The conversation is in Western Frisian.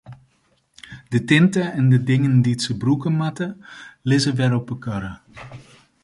De tinte en de dingen dy't se brûke moatte, lizze wer op de karre.